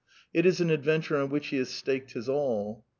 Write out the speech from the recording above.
It is an adventure on which he has staked his all.